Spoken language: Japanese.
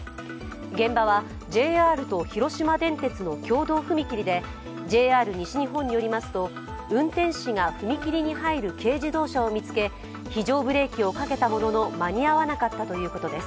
現場はＪＲと広島電鉄の共同踏切でＪＲ西日本によりますと、運転士が踏切に入る軽自動車を見つけ非常ブレーキをかけたものの、間に合わなかったということです。